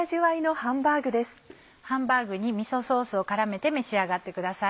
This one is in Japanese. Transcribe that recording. ハンバーグにみそソースを絡めて召し上がってください。